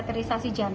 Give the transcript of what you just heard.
juga dikenal sebagai